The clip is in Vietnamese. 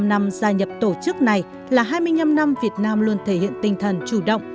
bảy mươi năm năm gia nhập tổ chức này là hai mươi năm năm việt nam luôn thể hiện tinh thần chủ động